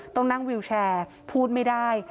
ต้องนั่งวิวแชร์พูดไม่ได้